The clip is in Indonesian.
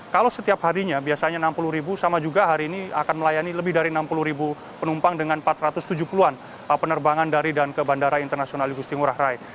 kalau setiap harinya biasanya enam puluh ribu sama juga hari ini akan melayani lebih dari enam puluh ribu penumpang dengan empat ratus tujuh puluh an penerbangan dari dan ke bandara internasional igusti ngurah rai